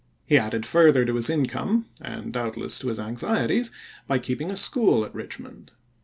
He added further to his income, and doubtless to his anxieties, by keeping a school at Richmond.